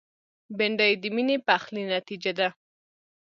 بېنډۍ د میني پخلي نتیجه ده